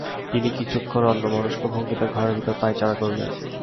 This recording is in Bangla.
তিনি কিছুক্ষণ অন্যমনস্ক ভঙ্গিতে ঘরের ভেতর পায়চারি করলেন।